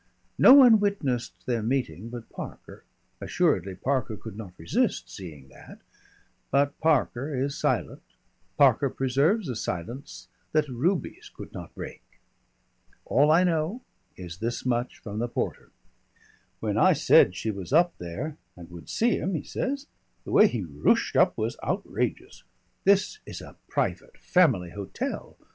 No one witnessed their meeting but Parker assuredly Parker could not resist seeing that, but Parker is silent Parker preserves a silence that rubies could not break. All I know, is this much from the porter: "When I said she was up there and would see him," he says, "the way he rooshed up was outrageous. This is a Private Family Hotel.